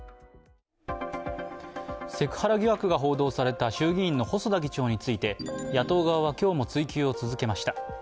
セクハラ疑惑が報道された衆議院の細田議長について野党側は今日も追及を続けました。